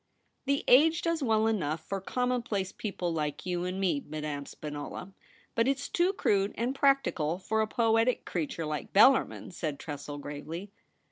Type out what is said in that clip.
' The age does well enough for common place people like you and me, Madame Spinola, but it's too crude and practical for a poetic creature like Bellarmin,' said Tressel gravely.